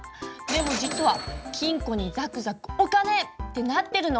でも実は金庫にザクザクお金！！ってなってるのかも。